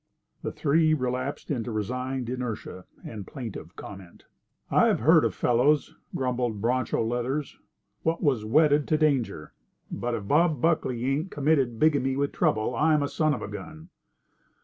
The three relapsed into resigned inertia and plaintive comment. "I've heard of fellows," grumbled Broncho Leathers, "what was wedded to danger, but if Bob Buckley ain't committed bigamy with trouble, I'm a son of a gun."